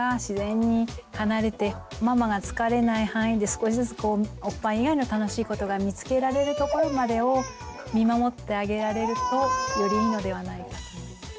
少しずつおっぱい以外の楽しいことが見つけられるところまでを見守ってあげられるとよりいいのではないかと。